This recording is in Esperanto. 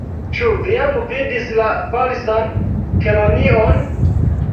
"Ĉu vi jam vidis la Falsan Kelonion?"